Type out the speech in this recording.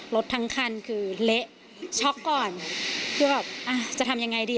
รถทั้งคันคือเละช็อกก่อนคือแบบอ่ะจะทำยังไงดี